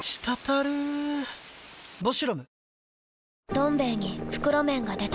「どん兵衛」に袋麺が出た